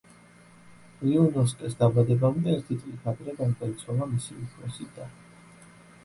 რიუნოსკეს დაბადებამდე ერთი წლით ადრე გარდაიცვალა მისი უფროსი და.